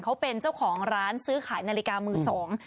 เขาเป็นเจ้าของร้านซื้อขายนาฬิกามือสอง